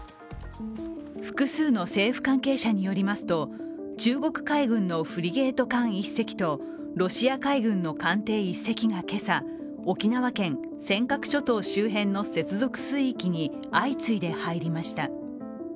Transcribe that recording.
複数の政府関係者によりますと中国海軍のフリゲート艦１隻とロシア海軍の艦艇１隻が今朝、沖縄県尖閣諸島周辺の接続水域に相次いで入りました。